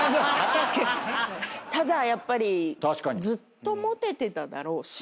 ただやっぱりずっとモテてただろうし。